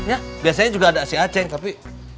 ya biasanya juga ada si aceh tapi